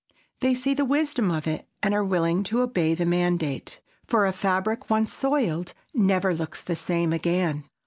They see the wisdom of it and are willing to obey the mandate. For a fabric once soiled never looks the same again.